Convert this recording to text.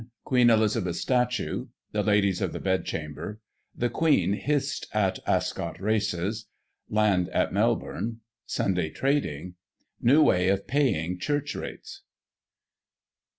Queen Elizabeth's Statue — The Ladies of the Bedchamber — The Queen hissed at Ascot Races — Land at Melbourne — Sunday Trading — New way of paying Church Rates.